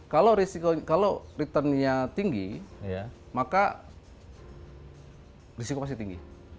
kalau return nya tinggi maka risiko pasti tinggi